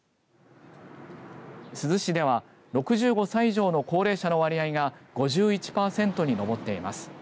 珠洲市では６５歳以上の高齢者の割合が５１パーセントに上っています。